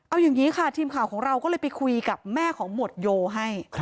เอาอย่างนี้ค่ะทีมข่าวของเราก็เลยไปคุยกับแม่ของหมวดโยให้